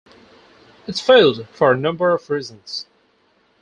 It failed for a number of reasons.